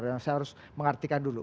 saya harus mengartikan dulu